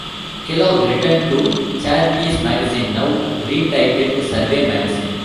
Kellogg returned to "Charities" magazine, now retitled "Survey" magazine.